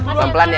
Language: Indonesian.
pelan pelan ya